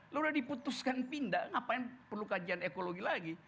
loh udah diputuskan pindah ngapain perlu kajian ekologi lagi